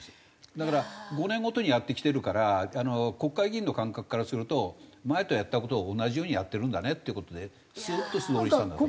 だから５年ごとにやってきてるから国会議員の感覚からすると前やった事を同じようにやってるんだねって事でするっと素通りしたんだと思う。